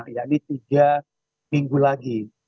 yakni tiga minggu lagi